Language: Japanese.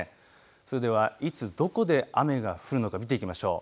それではいつどこで雨が降るのか見ていきましょう。